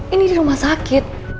ini di rumah sakit